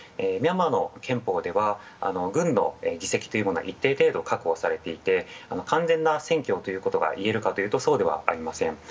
ミャンマーの憲法では、軍の議席は一定程度確保されていて、完全な選挙ということが言えるかというとそうではありません。